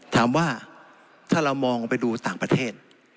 ถามว่าถ้าเรามองไปดูต่างประเทศ